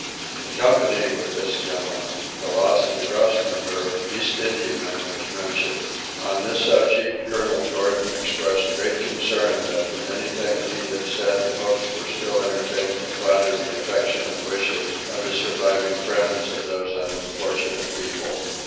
In company with this gentleman the loss of the Grosvenor East Indiaman was mentioned: on this subject colonel Gordon expressed great concern that from anything he had said hopes were still entertained to flatter the affectionate wishes of the surviving friends of those unfortunate people.